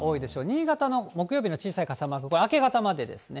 新潟の木曜日の小さい傘マーク、これ、明け方までですね。